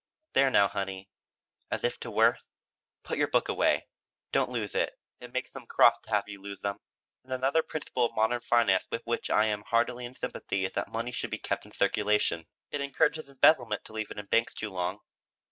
There now, honey," as if to Worth "put your book away. Don't lose it; it makes them cross to have you lose them. And another principle of modern finance with which I am heartily in sympathy is that money should be kept in circulation. It encourages embezzlement to leave it in banks too long."